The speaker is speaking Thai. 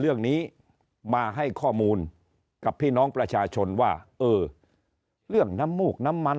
เรื่องนี้มาให้ข้อมูลกับพี่น้องประชาชนว่าเออเรื่องน้ำมูกน้ำมัน